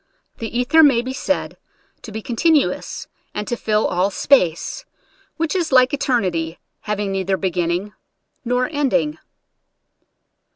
The ether may be said to be continuous, and to fill all space — which is like eternity, having neither beginning nor ending.